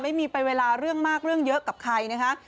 ไม่มีไปเวลาเรื่องมากเรื่องเยอะกับใครนะคะ